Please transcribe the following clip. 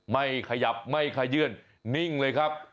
ไม่ขยับไม่ขยื่นนิ่งเลยครับ